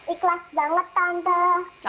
ikhlas banget tante